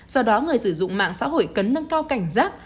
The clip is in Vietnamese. do đó người sử dụng mạng xã hội cần nâng cao cảnh giác